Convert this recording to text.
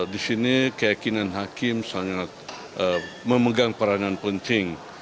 di sini keyakinan hakim sangat memegang peranan penting